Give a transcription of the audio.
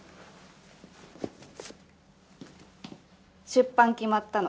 出版決まったの。